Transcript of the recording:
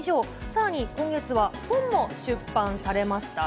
さらに、今月は本を出版されました。